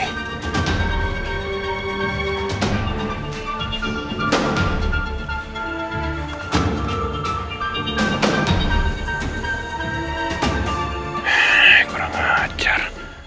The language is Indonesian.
hei kurang ajar